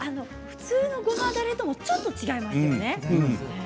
普通のごまだれともちょっと違いますね。